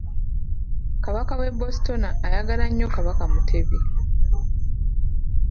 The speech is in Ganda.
Kabaka w'e Botswana ayagala nnyo Kabaka Mutebi.